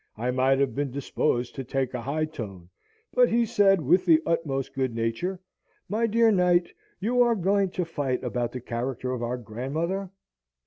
I might have been disposed to take a high tone: but he said, with the utmost good nature, "My dear Knight, are you going to fight about the character of our grandmother?